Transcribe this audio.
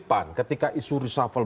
pan ketika isu resafel